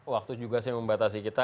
waktu juga membatasi kita